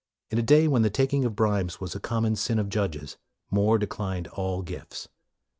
In a day when the taking of bribes was a common sin of judges, More declined all gifts.